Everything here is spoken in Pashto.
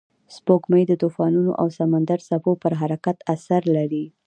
سپوږمۍ د طوفانونو او سمندري څپو پر حرکت اثر لري